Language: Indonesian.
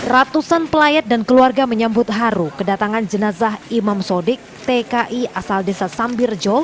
ratusan pelayat dan keluarga menyambut haru kedatangan jenazah imam sodik tki asal desa sambirjo